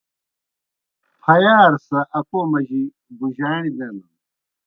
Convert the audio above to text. پھیارہ سہ اکو مجی بُجَاݨیْ دینَن۔